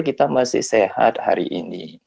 kita masih sehat hari ini